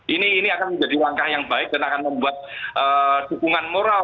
ini akan menjadi langkah yang baik dan akan membuat dukungan moral